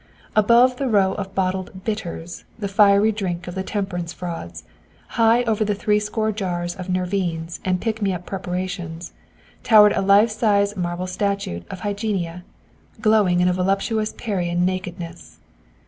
Above the rows of bottled "bitters," the fiery drink of the temperance frauds, high over the three score jars of "nervines" and pick me up preparations, towered a life size marble statue of Hygeia, glowing in a voluptuous Parian nakedness.